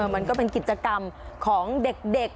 มันก็เป็นกิจกรรมของเด็ก